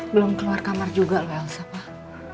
belum keluar kamar juga nggak elsa pak